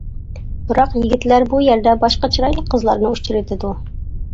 بىراق يىگىتلەر بۇ يەردە باشقا چىرايلىق قىزلارنى ئۇچرىتىدۇ.